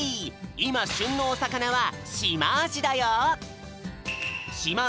いましゅんのおさかなはしまあじだよ！